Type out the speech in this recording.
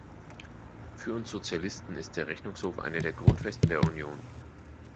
Für uns Sozialisten ist der Rechnungshof eine der Grundfesten der Union.